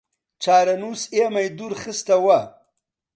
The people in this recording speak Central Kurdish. چارەنووس ئێمەی دوورخستەوە